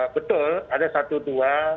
betul ada satu dua